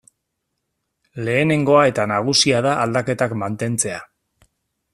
Lehenengoa eta nagusia da aldaketak mantentzea.